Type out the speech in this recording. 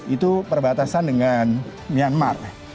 itu perbatasan dengan myanmar